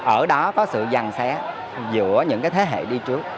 ở đó có sự dằn xé giữa những thế hệ đi trước